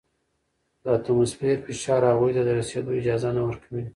خو د اتموسفیر فشار هغوی ته د رسیدو اجازه نه ورکوي.